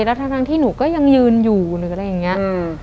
แล้วทั้งที่หนูก็ยังยืนอยู่หรืออะไรอย่างนี้